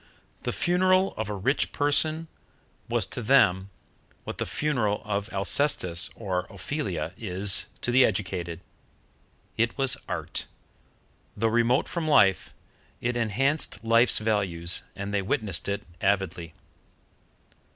The funeral of a rich person was to them what the funeral of Alcestis or Ophelia is to the educated. It was Art; though remote from life, it enhanced life's values, and they witnessed it avidly.